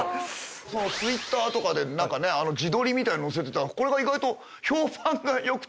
Ｔｗｉｔｔｅｒとかで何かね自撮りみたいの載せてたらこれが意外と評判が良くて。